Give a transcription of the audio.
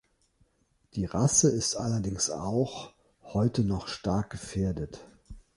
Die Rasse ist allerdings auch heute noch stark gefährdet.